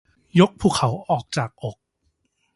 ยกภูเขาออกจากอก